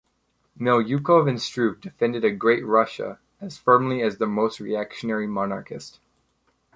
Milyukov and Struve defended a Great Russia as firmly as the most reactionary monarchist.